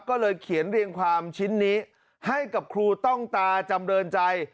ก็เลยเขียนเรียงความชิ้นนี้ให้กับครูต้องตาจำเรินใจ